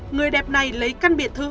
người đẹp này lấy căn biệt thự